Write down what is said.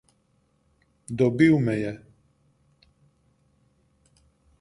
Dobil me je!